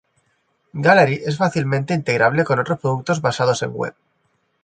Gallery es fácilmente integrable con otros productos basados en web.